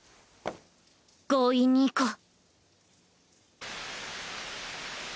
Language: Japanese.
強引に行こう。